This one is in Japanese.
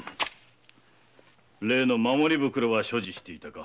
例の守り袋は所持していたか？